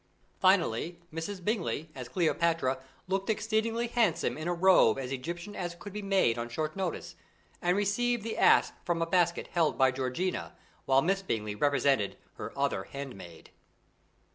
Finally, Mrs. Bingley, as Cleopatra, looked exceedingly handsome in a robe as Egyptian as it could be made on short notice, and received the asp from a basket held by Georgiana, while Miss Bingley represented her other "handmaid."